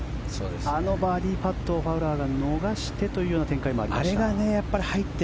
あのバーディーパットをファウラーが逃してという展開もありました。